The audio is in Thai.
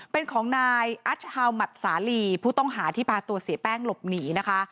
เป็นของนายอัชฮาวหมัดสาลีผู้ต้องหาที่พาตัวเสียแป้งหลบหนีนะคะ